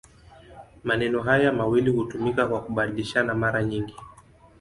Maneno haya mawili hutumika kwa kubadilishana mara nyingi.